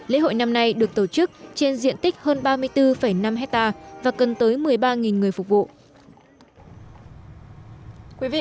lễ hội năm nay được tổ chức trên diện tích hơn ba mươi bốn năm hectare và cần tới một mươi ba người phục vụ